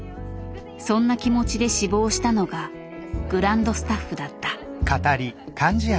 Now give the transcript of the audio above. そんな気持ちで志望したのがグランドスタッフだった。